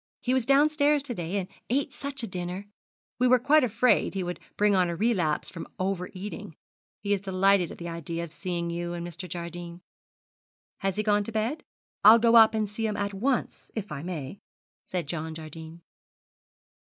He was downstairs to day, and ate such a dinner. We were quite afraid he would bring on a relapse from over eating. He is delighted at the idea of seeing you and Mr. Jardine.' 'Has he gone to bed? I'll go up to see him at once, if I may,' said John Jardine.